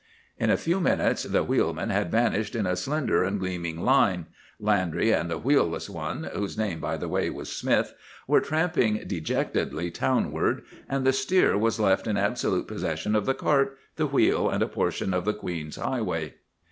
"In a few minutes the wheelmen had vanished in a slender and gleaming line, Landry and the wheelless one (whose name, by the way, was Smith) were tramping dejectedly townward, and the steer was left in absolute possession of the cart, the wheel, and a portion of the Queen's highway.